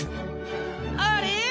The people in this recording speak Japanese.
［あれ？